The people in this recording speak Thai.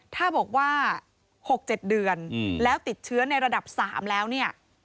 ถ้าบอกว่า๖๗เดือนแล้วติดเชื้อในระดับ๓แล้วเนี่ย